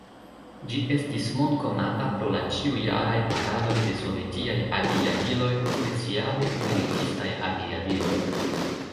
Ĝi estis mondkonata pro la ĉiujaraj paradoj de sovetiaj aviadiloj, speciale militistaj aviadiloj.